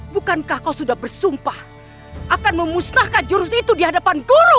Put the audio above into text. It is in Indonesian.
bukankah kau sudah bersumpah akan memusnahkan jurus itu di hadapan guru